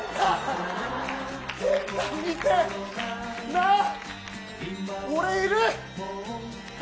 なあ、俺いる！